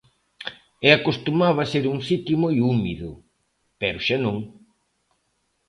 E acostumaba ser un sitio moi húmido, pero xa non.